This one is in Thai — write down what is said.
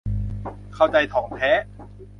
เข้าใจถ่องแท้